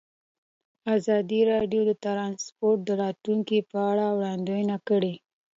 ازادي راډیو د ترانسپورټ د راتلونکې په اړه وړاندوینې کړې.